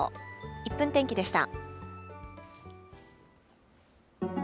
１分天気でした。